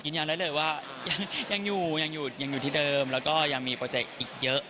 ยืนยันได้เลยว่ายังอยู่ยังอยู่ที่เดิมแล้วก็ยังมีโปรเจคอีกเยอะ